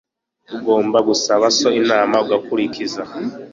Ugomba gusaba so inama akakurikiza.